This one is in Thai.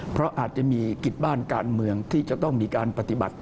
เพราะอาจจะมีกิจบ้านการเมืองที่จะต้องมีการปฏิบัติ